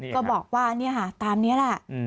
ก็บอกว่าตามนี้แหละ